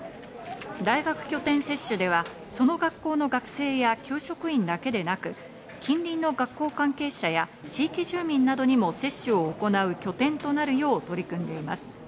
大学拠点接種では、その学校の学生や教職員だけでなく、近隣の学校関係者や地域住民などにも接種を行う拠点となるよう取り組んでいます。